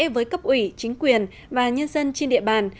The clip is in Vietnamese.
với cấp ủy chính quyền và nhân dân trên địa bàn